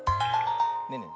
ねえねえ